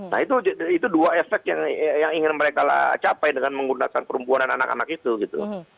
nah itu dua efek yang ingin mereka capai dengan menggunakan perempuan dan anak anak itu gitu